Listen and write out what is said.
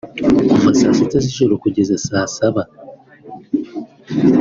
Kuva saa sita z’ijoro kugeza saa saba